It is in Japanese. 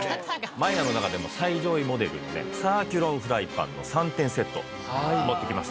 マイヤーの中でも最上位モデルのねサーキュロンフライパンの３点セット持ってきました。